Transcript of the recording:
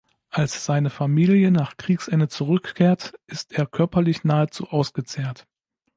Als seine Familie nach Kriegsende zurückkehrt, ist er körperlich nahezu ausgezehrt.